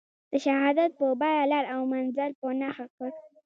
د شهادت په بیه لار او منزل په نښه کړ.